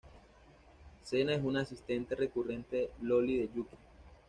Sena es una asistente recurrente loli de Yūki.